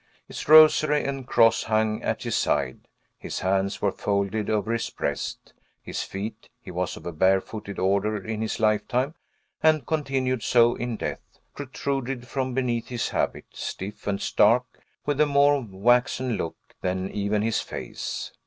His rosary and cross hung at his side; his hands were folded over his breast; his feet (he was of a barefooted order in his lifetime, and continued so in death) protruded from beneath his habit, stiff and stark, with a more waxen look than even his face.